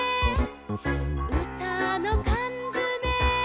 「うたのかんづめ」